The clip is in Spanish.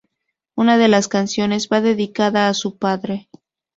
Una de las canciones va dedicada a su padre.